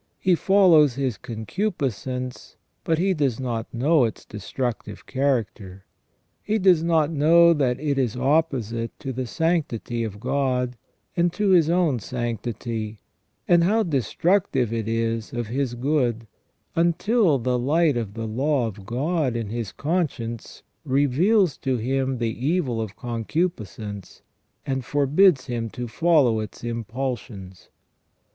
He follows his concupiscence, but he does not know its destructive character ; he does not know that it is opposite to the sanctity of God, and to his own sanctity, and how destrucrive it is of his good; until the light of the law of God in his conscience reveals SELF AND CONSCIENCE. 141 to him the evil of concupiscence, and forbids him to follow its impulsions.